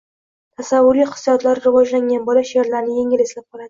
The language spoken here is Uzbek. Tasavvuriy hissiyotlari rivojlangan bola she’rlarni yengil eslab qoladi.